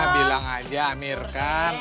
bilang aja amir kan